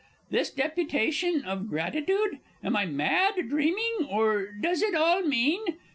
This deputation of gratitude? Am I mad, dreaming or what does it all mean?